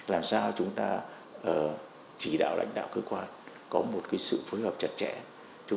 làm sao chúng ta chỉ đạo lãnh đạo cơ quan có một sự phối hợp chặt chẽ